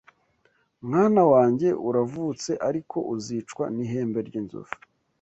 Mwana wange uravutse ariko uzicwa n’ihembe ry’inzovu